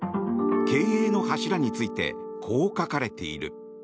経営の柱についてこう書かれている。